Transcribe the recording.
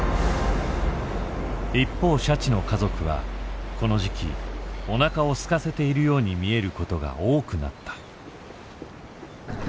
一方シャチの家族はこの時期おなかをすかせているように見えることが多くなった。